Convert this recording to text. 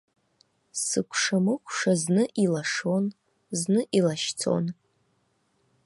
Сыкәшамыкәша зны илашон, зны илашьцон.